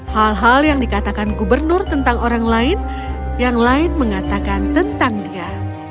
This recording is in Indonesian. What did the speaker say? hal hal yang dikatakan gubernur tentang orang lain yang lain mengatakan tentang dia